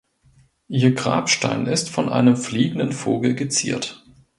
Ihr Grabstein ist von einem fliegenden Vogel geziert.